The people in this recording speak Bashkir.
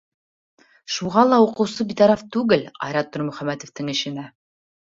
Шуға ла уҡыусы битараф түгел Айрат Нурмөхәмәтовтың эшенә.